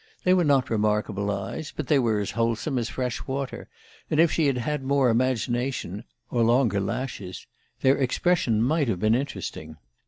They were not remarkable eyes, but they were as wholesome as fresh water, and if she had had more imagination or longer lashes their expression might have been interesting.